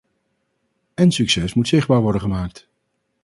En succes moet zichtbaar worden gemaakt.